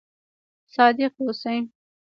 صادق اوسئ